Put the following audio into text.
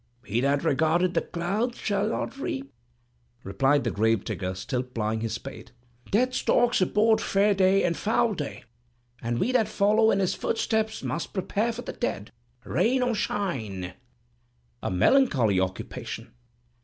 "He that regardeth the clouds shall not reap," replied the grave digger, still plying his spade. "Death stalks abroad fair day and foul day, and we that follow in his footsteps must prepare for the dead, rain or shine." "A melancholy occupation."